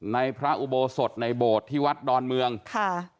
ในพระอุโบสถในโบสถ์ที่วัดดอนเมืองค่ะ